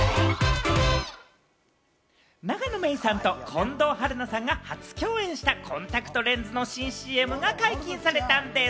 永野芽郁さんと近藤春菜さんが初共演したコンタクトレンズのＣＣＭが解禁されたんでぃす。